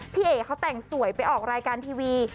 พี่เอ๋เขาแต่งสวยไปออกรายการทีวี